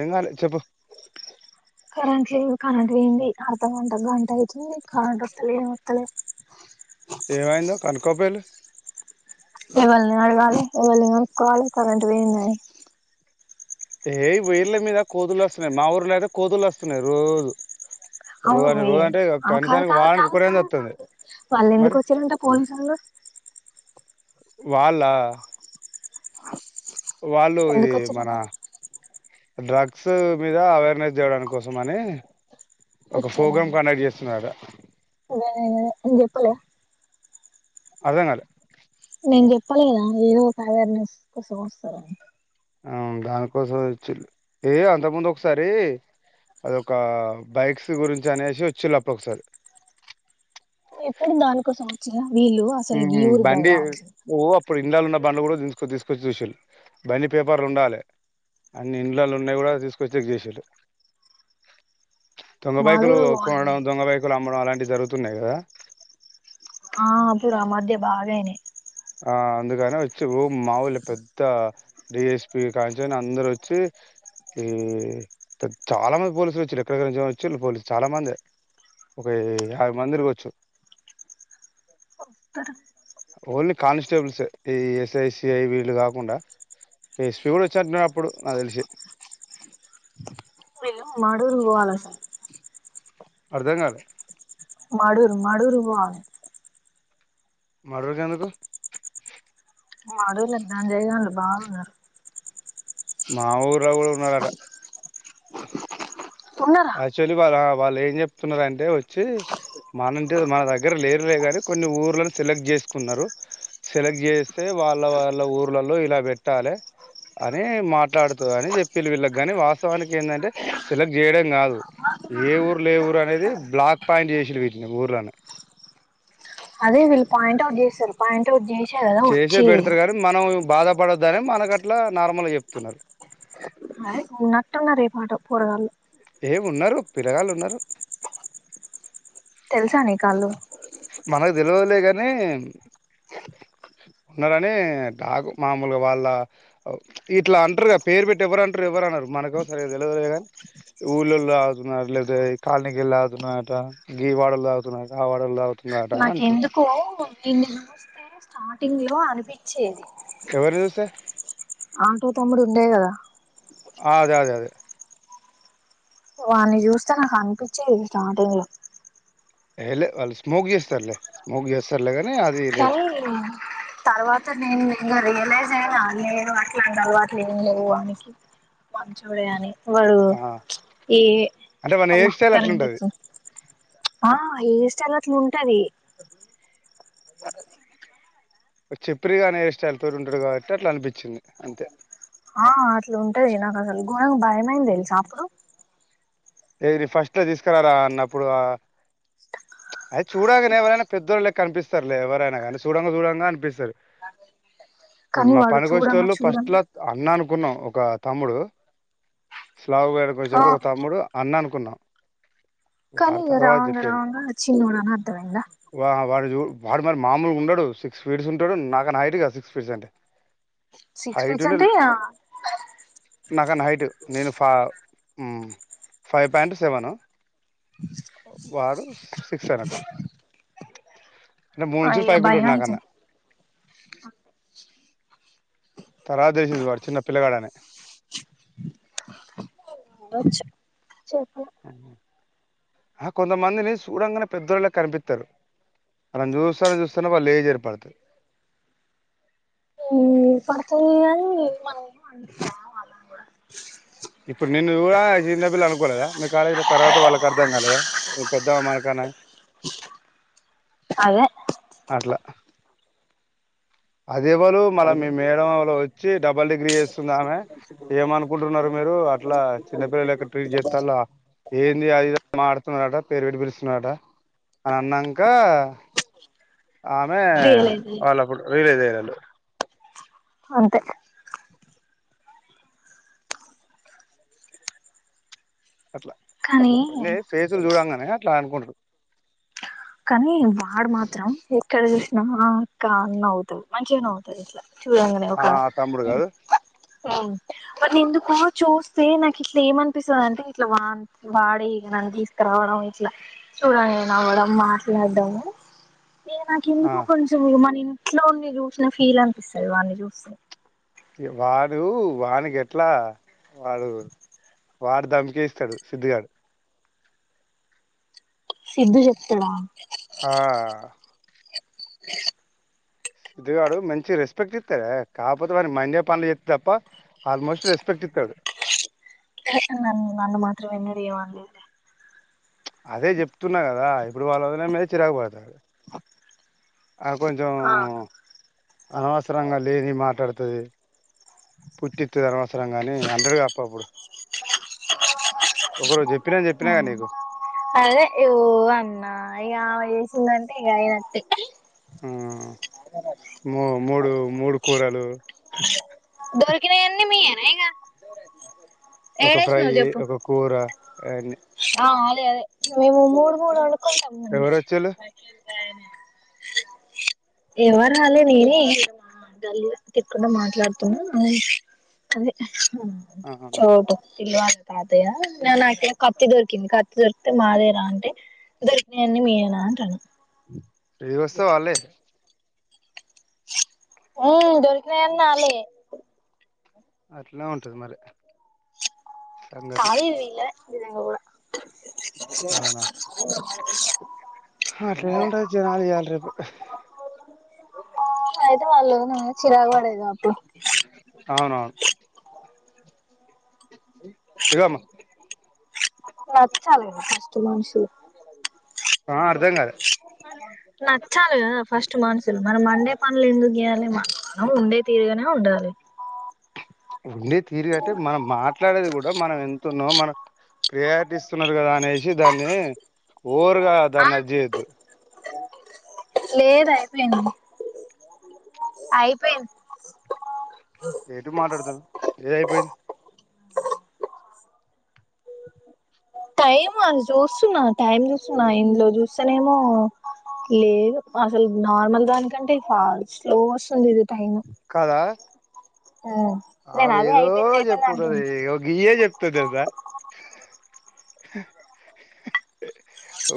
ఎంగాలే చెప్పు కరెంట్ లేదు కరెంట్ వేయింది అర్ధ గంట గంట అయితుంది కరెంట్ వస్తలే ఎం వస్తలే ఏమైందో కనుక్కోపోయిలు ఏవల్ని అడగాలే ఎవరిని కనుక్కోవాలి కరెంటు పోయిందని ఏ వైర్ల మీద కోతుల వస్ మా ఊర్లో అయితే కోతుళ్లు వస్తున్నాయి రోజు రోజు అవును అంటే వి రోజు అంటే ఆ కాదు కనీసానికి కాదు వారానికి కాదు ఒకటైనా కాదు వస్తుంది కాదు వాళ్ళు మరి ఎందుకు వచ్చిరంట పోలీసొళ్ళు వాళ్ళ ఆ వాళ్ళు ఇది మన డ్రగ్స్ మీద అవేర్నెస్ చేయడాని కోసం అని ఒక వచ్చారా ప్రోగ్రాం కండక్ట్ చేస్తున్నరట పలే అర్థం కాలే నేను చెప్పలేదా ఏదో ఒక అవేర్నెస్ కోసం వస్తారని ఆ దానికోసం వచ్చి ఏ అంత ముందు ఒకసారి అదొక బైక్స్ గురించి అనేసి వచ్చిళ్ళు అపు ఒకసారి ఇప్పుడు దానికోసం వచ్చిల్ల అబండి ఓ అప్పుడు ఇండలో ఉన్నప్పు బండి కూడతీసుకొచ్చి బండి పేపర్లు ఉండాలి అన్ని ఇడ్లలు ఉన్నాయి కూడా తీసుకొచ్చి చేసిరూ దొంగపాయకులు మాడూరు పోవాలని కొనడం దొంగ బైకులు అమ్మడం అలాంటి జరుగుం తున్నాయి కదా ఆ పురా మధ్య బాగాయి ని ఆ అందుకని వచ్చి మాఊూలు పెద్ద డిఎస్పి కానిస్టేబుల్ అందరు వచ్చి ఈ చాలా మంది పోలీసులు వచ్చు ఎక్కడించి వచ్చ పోలీసు చాలా మంది ఒక యాభ మందికి వచ్చు ఓన్లీ కానిస్టేబుల్స్ ఈ ఎస్ఐసిఐ వీళ్ళు కాకుండా ఎస్పి వచ్చినట్టు అప్పుడు నాకు తెలిసి మాడూరు పోవాల సార్ అర్ధం కల మాడుూరు మాడూరు పోవాలె మాడూర్ కి ఎందుకు మా అడవులకు చేయగలం బాగున్నారు మా ఊర్ల కూడా ఉన్నారట ఉన్నారా హక్కు అ యచలి బాలా వాా లే ఏ ఏం చెప్తున్నారంటే వచ్చి మనంటే మన దగ్గర లేరులే కాని కొన్ని ఊర్లను సెలెక్ట్ చేసుకున్నారు సెలెక్ట్ చేస్తే వాళ్ళ వాళ్ళ ఊర్లలో ఇలా పెట్టాలి అని మాట్లాడుతూ అని చెప్పి వీళ్ళకి కాని వాస్తవానికి ఏంటంటే సెలెక్ట్ చేయల కాదు ఏ ఊర్ లే ఊరు అనేది బ్లాక్ పాయింట్ చేసిడు వీటిని ఊర్లోనే పంటు చేన్వారు వచ్చింది బాధపడద్దని మనక అట్లా నార్మల్గా చెప్తున్నారు అదే నట్టం నరి పాటం పోరగాళ్ళ ఏమిన్నారు పిల్లగాళ్ళు ఉన్నారు తెలుసా నీ కాళ్ళు తెలివలేగాని ఉన్నారని కు మామూలుగా వాళ్ళ ఇట్లా అంటారుగా పేరు పెట్టి ఎవరంటారు ఎవర అన్నారు మనకో సరి తెలియలే గ ని ఊళ్ళళ తగుతున్నారు లేదా ఈ కాలనీనికిీళ ఆగుతున్నట గీ వాడలు తాగుతున్నారు ఆ వాడలు తాగుతు నాకెందుకో ని న న వస్తే స్టార్టింగ్ లో అనిపిచ్చేది ఎవరిని చూస్తే ఆటో తమ్ముడు ఉండేయి కదా అదే అదే అదే వాని చూస్తే నాకు అనిపించేది స్టార్టింగ్ లో ఎలే అల్ స్మోక్ చేస్తర్లే స్మోక్స్త చేస్తారు తాగాని కనీ తర్వాత నేను ఇంకా రియలైజ్ నేనా లేరు అట్లాంటి అలవాట్లు లేవు అని మంచోడే అని వరు ఆ ఏ అంటే మన అమ్మా హెయిర్ స్టైల్ కరెంట్ అట్లుంటది వచ్చింది ఆ ఇన్ట గ్రామ్ ఉంటది అ చెప్పురిగా అనే ఏ స్టైల్ తో ఉంటాడు కాబట్టి అట్లా అనిపించింది అంతే ఆ అట్లు ఉంటది నాకు అసలు గుణం భయమైంది తెలుసా అప్పుడు ఏ ఫస్ట్ లో తీసుకురాలా అన్నప్పుడు అయితే చూడంగానే ఎవరైనా పెద్దోళ్ళుళ కనిపిస్తారులే ఎవరైనా కానీ చూడంగా చూడంగా అనిపిస్తది ఇప్పుడు కానీ మా వాడు పనికి వచ్చే చూడంగా టోళ్ళు ఫస్ట్లా చూడంగా అన్నాను అనుకున్నాం ఒక తమ్ముడు లావుగా కనిపించినప్పుడు ఆ వచ్చేప్పుడు ఒక తమ్ముడు అన్నా అనుకున్నాం కాని వారి ఇంగ తర్వాత రాంగ చెప్పారు రాంగ అచ్చిన్నోడనా అర్థవంగా వా వాడు చూ వాడు మరీ మామూలుగా ఉండడు సిక్స్ ఫీట్స్ ఉంటాడు నా కన్న హైట్ కదా సిక్స్ ఫీట్స్ అంటే సిక్స్ హైట్ ఫీట్స్ అంటే ఇగ నాకన్నా హైటు నేను ఫ ఊ ఫైవ్ పాయింట్ సెవెన్ వాడు సిక్స్ హండ్రెడ్ అంటే మూడు ఆ ఇంచిలు ఇగ పైకుంటాడు భయం నా కన్న అయితది తర్వాత తెలిసింది వాడు చిన్న పిల్లగాడని [unintelligible] చెప్ ఆ కొంతమందిని సూడంగానే పెద్దోళ్ళెక్క కనిపిస్తారు మనం చూస్తానే చూస్తానే వాళ్ళు ఏజ్ ఏర్పడుతుంది మ్.. పడుతుంది గాని మనం వి ఇప్పుడు నిన్ను కూడా చిన్నపిల్ల అనుకోలేదా మీ కాలేజీల తర్వాత వాళ్ళకి అర్ధం కాలేదా నువ్వు పెద్ద మనకాన్నా అని అదే అట్లా అదే వాళ్ళు మళ్ళ మీ మేడం వాళ్ళు వచ్చి డబల్ డిగ్రీ చేస్తుంది ఆమె ఏమనుకుంటున్నారు మీరు అట్లా చిన్నపిల్ల లెక్క ట్రీట్ చేస్తున్నారు ఏంది అది మాట్లాడుతున్నారట పేరు పెట్టి పిలుస్తున్నారట అని అన్నంక ఆమె రియలైజ్ అయ్యిండు వాళ్ళప్పుడు రియలైజ్ అయ్యారు లో [inaudible] అంతే అట్లా కానీ కొన్ని ఫేసులు చూడంగానే అట్లా అనుకుంటారు కానీ వాడు మాత్రం ఎక్కడ చూసినా ఆ అక్క అని నవ్వుతాడు మంచిగ నవ్వుతాడు ఇట్లా చూడంగానే ఆ ఒకా తమ్ముడు కాదు మరి ఎందుకు చూస్తే నాకు ఇట్లా ఏమనిపిస్తుంది అంటే ఇట్లా వ మ వాడే నన్ను తీసుకురావడం ఇట్లా చూడగానె నవ్వడం వా మాట్లాడటము ఏ నాకు ఆ ఎందుకో కొంచెం ఇమ్మని ఇంట్లో వాళ్లని చూసిన ఫీల్ అనిపిస్తుది వాడిని చూస్తే వాడు వానికి ఎట్లా వాడు వాడు దంకీ ఇస్తాడు సిద్దుగాడు సిద్ధూ చెప్తాడా ఆ సిద్ధూ గాడు మంచి రెస్పెక్ట్ ఇస్తాడు కాకపోతే వానికి మండే పనులు చేస్తే తప్ప ఆల్మోస్ట్ రెస్పెక్ట్ ఇస్తాడు నన్ను [unintelligible] అదే చెప్తున్నా కదా ఇప్పుడు వాళ్ళ వదిన మీద చిరాకు పడతాడు ఆ కొంచెం ఆ అనవసరం గా లేనివి మాట్లాడు తది పుట్టిత్తది అనవసరంగా అని అంటారు కదా అప్పప్పుడు చెప్పినా చెప్పినాగా నీకు అదె ఓ... అన్నా ఇంక అంతే ఆయన అంతే ఆ మ మూడు మూడు కూరలు దొరికినాయన్నీ మీయేనా [unintelligible] ఒక ఫెం ఏడేసినవు అయ్యి చెప్పు ఒక కూర అను [unintelligible] ఆ అదే... అదే.. మెము మూడు మూడు అనుకొని కోయి మంది ఎవరు వచ్చేళ్ళు ఎవరు రాలే నేనే డల్లుగా తిక్కుంటా మాట్లాడుతున్నా అదే అదే ఆహా చోట పిల్లువాని తాతయ్య నువ్ నాకేం కత్తి దొరికింది కత్తి దొరికితే మాదేనా అంటే దొరికిన వన్నీ మీ వేనా అంటున్నా రివర్స్ వాళ్లే ఉ దొరికినవన్నీ వాళ్ళవే అట్లనే ఉంటది మరి సంగతి కాయిల్ వీళ్ళవే నిజంగా కూడా [inaudible] [inaudible] అవునా అట్లనే ఉంటారు జనాలు ఇవాళ రేపు అయితే వాళ్ల చిరాకు పడేది కదా అప్పుడు అవునవును ఇగో అమ్మ చాల కదా ఉత మనుషులు ఆ అర్ధం కాలే నచ్చాలి కదా ఫస్ట్ మనసు మరి మండే పనులు ఎందుకు చేయాలి మ మనం ఉండే తీరుగానే ఉండాలి ఉండే తీరుగా అంటే మనం మాట్లాడేది కూడా మనం ఎంత ఉన్నామో మన ప్రియారిటీ ఇస్తున్నారు కదా అనేసి దాన్ని ఓరుగ ఆ దాన్ని అది చేయొద్దు లేదు అయిపోయింది అయిపోయింది ఏటు మాట్లాడుతున్నావ్ ఏది అయిపోయింది టైమ్ ఆ చూస్తున్నా టైమ్ చూస్తున్నా ఇందులో చూస్తానే ఏమో లేదు అసలు నార్మల్ దానికంటే ఫా స్లో వస్తుంది ఇది టైమ్ అ ఆమె ఏదో అయిపోయింది చెప్పింటది అంటున్నా గియ్యే చెప్తుంది కదా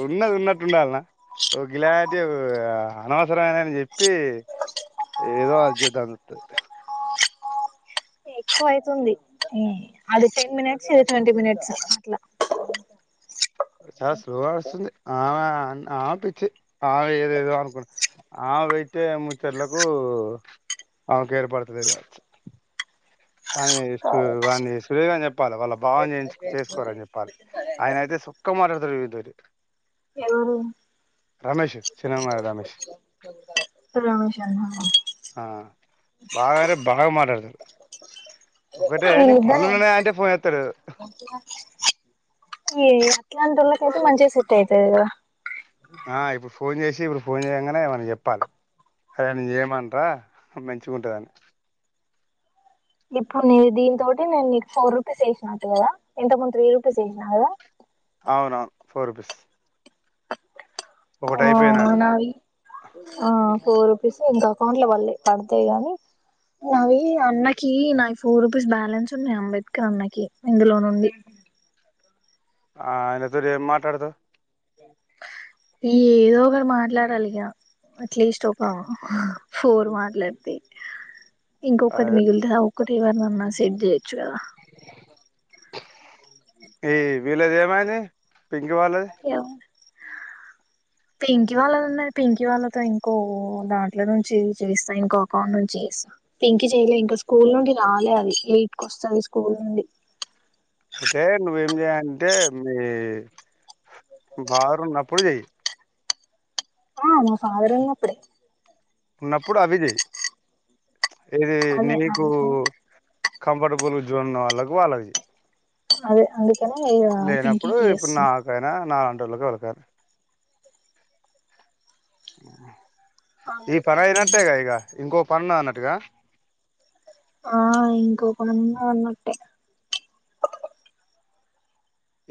ఉన్నది ఉన్నట్టు ఉండాలన్న ఒ క్లారిటీ ఆ అనవసరమైనని చెప్పి ఏదో అది చేద్దాం అన్నట్టు ఎక్కువ అయితుంది అది టెన్ మినిట్స్ ఇది ట్వంటీ మినిట్స్ అట్లా చాలా స్లోగా వస్తుంది ఆ ఆ పిచ్చి ఆమె ఏదేదో అనుకున్నా ఆమె పెట్టే ముచ్చట్లకు ఆ గేర్ పడతలేగా ఆయన కావచ్చు వాన్ని సురేషు గాని చెప్పాలి వాళ్ళ బావ చేయుచు చేసుకోరా అని చెప్పాలి, ఆయన అయితే సుక్క మాట్లాడతారు. ఎవరు రమేష్ సినిమా రమేష్ రమేష్ అన్న నా ఆ బాగారే బాగా మ [unintelligible] ఒకటే నీ వీళ్ళిద్దరే పళెన్ననే అయంటే ఫోన్ చేస్తలేడు ఈ అట్లాంటోళ్ళకైతే మంచిగా సెట్ అయితది కదా ఆ ఇప్పుడు ఫోన్ చేసి ఇప్పుడు ఫోన్ చేయంగానే ఏమన్నా చెప్పాలి, చెప్పాలి అదేన చేయమంటార మంచి ఉంటుదని ఇప్పుడు నీకు దీని తోటి నేను నీ ఫోర్ రూపీస్ వేసినా కదా, ఇంత ముందు త్రీ రూపీస్ వేసినా కదా అవునవును ఫోర్ రూపీస్ ఒకటి ఆ అయిపోయినట్టు నాయి ఆ పోరు ఇంక అకౌంట్ లో వల్లే పడతాయి గానీ, అవి అన్నకి నా ఫో రూపీస్ బ్యాలెన్స్ ఉన్నాయి అంబేద్కర్ అన్నకి ఇందులో నుండి ఆ ఆయన తోని ఏం మాట్లాడతావ్ ఏదో ఒకటి మాట్లాడాలిగా అట్లీస్ట్ ఒక ఫోర్ మాట్లాడితే ఆ, ఇంకొకటి మిగుల్తదావ్ ఒకటి ఎవరినన్నా సెట్ చేయొచ్చుకదా ఏ వీళ్లది ఏమైంది పింకీ వాళ్లది పింకీ వాళ్ళది ఉన్నది పింకీ వాళ్ల ఇంకో దాంట్లో నుంచి యూస్ చేస్తా ఇంకో అకౌంట్ నుండి యూస్ చేస్తా పింకీ చెయ్యలే ఇంకా స్కూల్ నుంచి రాలే అది అది యాటికి కి వస్తది అయితే నువ్వేం చెయాలంటే మీ బారు ఉన్నప్పుడు చెయి ఆ మా ఫాదర్ అప్పుడే ఉన్నప్పుడు అభిజయ్ ఇది అదే నీకు అందుకనే కంఫర్టబుల్ జోన్ కావాలా పో అలది అదే అదే లేనప్పుడు ఇప్పుడు నాకైనా నా వెళ్లకూడదా ఆ ఈ పనయినట్టేగా ఇగ ఇంకో పన్న అన్నట్టుగా ఆ ఇంకో పన్నా అన్నట్టే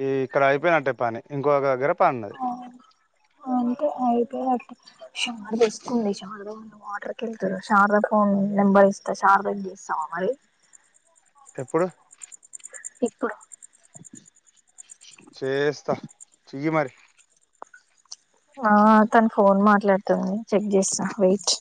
ఈ ఇక్కడ అయిపోయినట్టే పని ఇంకోక దగ్గర పన్నది. అంటే అయితేయి అ శార్ద ఇస్తుంది. శారదా వాటర్ వెళ్తాది శారద ఫోన్ నెంబర్ ఇస్తా శారదకి చేస్తావా మరి ఎప్పుడు ఇప్పుడు చేస్తా చెయ్యి మరి ఆ తను ఫోన్ మాట్లాడుతుంది చెక్ చేస్తా వెయిట్